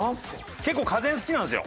結構家電好きなんですよ。